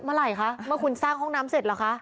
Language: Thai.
เมื่อไหร่คะเมื่อคุณสร้างห้องน้ำเสร็จเหรอคะ